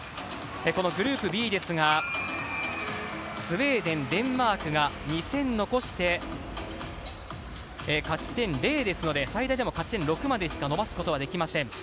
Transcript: このグループＢですがスウェーデン、デンマークが２戦残して勝ち点０ですので勝ち点６までしか伸ばすことはできません。